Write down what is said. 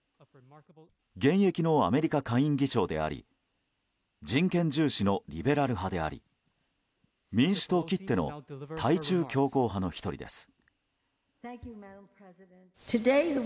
現役のアメリカ下院議長であり人権重視のリベラル派であり民主党きっての対中強硬派の１人です。